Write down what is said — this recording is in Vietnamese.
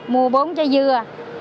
mua bốn trái dưa